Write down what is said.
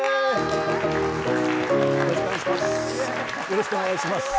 よろしくお願いします。